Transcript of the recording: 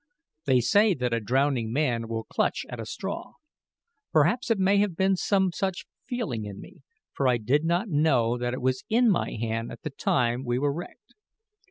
They say that a drowning man will clutch at a straw. Perhaps it may have been some such feeling in me, for I did not know that it was in my hand at the time we were wrecked.